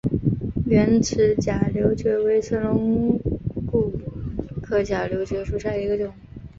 圆齿假瘤蕨为水龙骨科假瘤蕨属下的一个种。